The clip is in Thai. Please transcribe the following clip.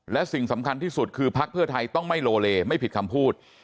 และสิ่งสำคัญที่สุดคือพักเพื่อไทยต้องไม่โลเลไม่ผิดคำพูด